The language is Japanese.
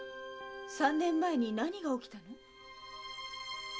三年前に何が起きたの？